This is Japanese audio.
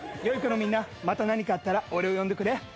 良い子のみんなまた何かあったら俺を呼んでくれ。